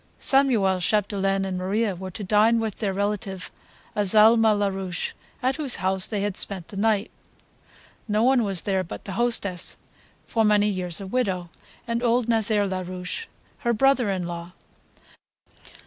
Samuel Chapdelaine and Maria were to dine with their relative Azalma Larouche, at whose house they had spent the night. No one was there but the hostess, for many years a widow, and old Nazaire Larouche, her brother in law.